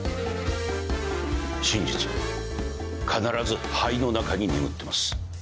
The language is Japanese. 真実は必ず灰の中に眠ってます。